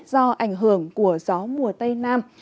do ảnh hưởng của gió mùa tây nam